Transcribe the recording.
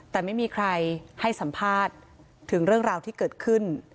แต่ไม่มีใครให้สัมภาษณ์ถึงเรื่องราวที่เกิดขึ้น